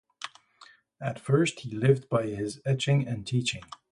At first he lived by his etching and teaching.